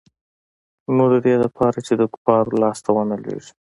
نو د دې د پاره چې د کفارو لاس ته ونه لوېږي.